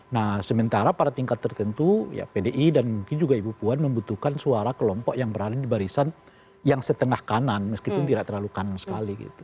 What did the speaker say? nah sementara pada tingkat tertentu ya pdi dan mungkin juga ibu puan membutuhkan suara kelompok yang berada di barisan yang setengah kanan meskipun tidak terlalu kanan sekali gitu